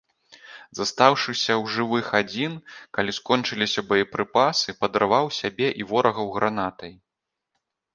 Застаўшыся ў жывых адзін, калі скончыліся боепрыпасы, падарваў сябе і ворагаў гранатай.